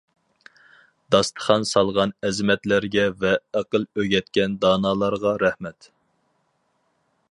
داستىخان سالغان ئەزىمەتلەرگە ۋە ئەقىل ئۆگەتكەن دانالارغا رەھمەت!